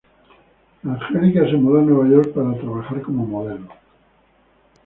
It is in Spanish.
Anjelica se mudó a Nueva York para trabajar como modelo.